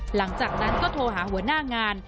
หลังจากนั้นก็โทรหาหัวหน้างาน